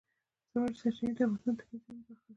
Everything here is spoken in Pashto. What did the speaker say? ژورې سرچینې د افغانستان د طبیعي زیرمو برخه ده.